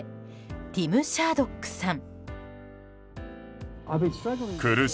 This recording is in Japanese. ティム・シャードックさん。